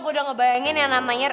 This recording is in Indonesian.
gua udah ngebayangin ya namanya